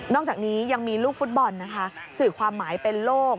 อกจากนี้ยังมีลูกฟุตบอลนะคะสื่อความหมายเป็นโลก